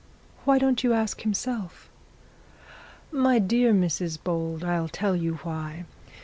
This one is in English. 'Why don't you ask himself?' 'My dear Mrs Bold, I'll tell you why.